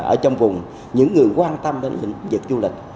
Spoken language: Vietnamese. ở trong vùng những người quan tâm đến lĩnh vực du lịch